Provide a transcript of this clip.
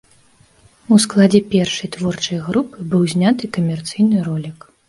У складзе першай творчай групы быў зняты камерцыйны ролік.